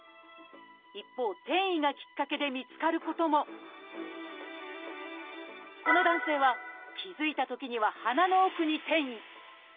一方転移がきっかけで見つかることもこの男性は気付いたときには鼻の奥に転移。